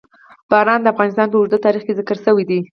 باران د افغانستان په اوږده تاریخ کې ذکر شوی دی.